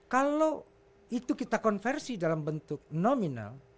kalau itu kita konversi dalam bentuk nominal